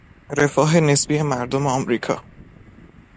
رفاه نسبی مردم امریکا